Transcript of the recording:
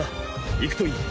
行くといい。